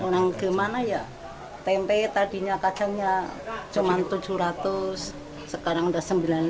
nah gimana ya tempe tadinya kadangnya cuma tujuh ratus sekarang udah sembilan puluh lima